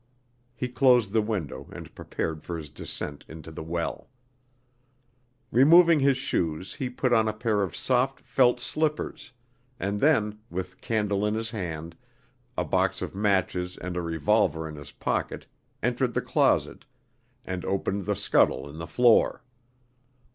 He closed the window, and prepared for his descent into the well. Removing his shoes, he put on a pair of soft felt slippers, and then, with candle in his hand, a box of matches and a revolver in his pocket, entered the closet, and opened the scuttle in the floor.